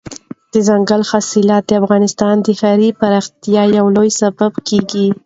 دځنګل حاصلات د افغانستان د ښاري پراختیا یو لوی سبب کېږي.